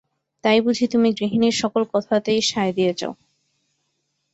তাই বুঝি তুমি গৃহিণীর সকল কথাতেই সায় দিয়ে যাও।